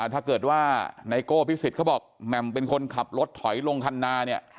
ถ้าเกิดว่าไนโก้พิสิทธิ์เขาบอกแหม่มเป็นคนขับรถถอยลงคันนาเนี่ย